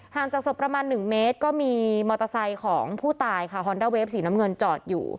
จากศพประมาณ๑เมตรก็มีมอเตอร์ไซค์ของผู้ตายค่ะฮอนด้าเวฟสีน้ำเงินจอดอยู่